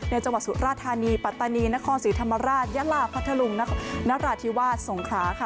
จังหวัดสุราธานีปัตตานีนครศรีธรรมราชยะลาพัทธลุงนราธิวาสสงคราค่ะ